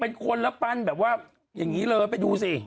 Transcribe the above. เป็นคนแล้วปั้นแบบว่าอย่างนี้เลยไปดูสิ